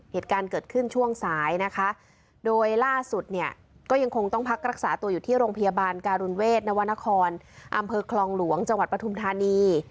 เหตุการณ์เกิดขึ้นช่วงสายนะคะโดยล่าสุดเนี่ยก็ยังคงต้องพักรักษาตัวอยู่ที่โรงพยาบาลการุณเวทนวรรณครอำเภอคลองหลวงจังหวัดปฐุมธานี